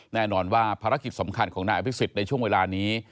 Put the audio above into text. แน่นอนว่าภารกิจสำคัญของนายอภิษฎในช่วงเวลานี้